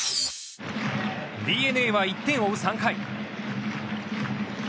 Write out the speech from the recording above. ＤｅＮＡは１点を追う３回。